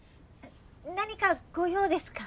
何かご用ですか？